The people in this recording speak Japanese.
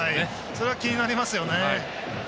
それは気になりますよね。